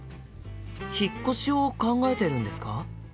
引っ越しを考えてるんですか？